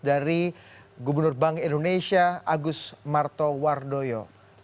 dari gubernur bank indonesia agus martowardoyo